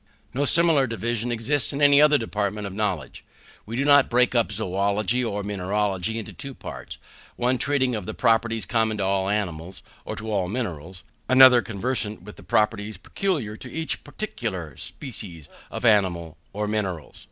No similar division exists in any other department of knowledge. We do not break up zoology or mineralogy into two parts; one treating of the properties common to all animals, or to all minerals; another conversant with the properties peculiar to each particular species of animals or minerals.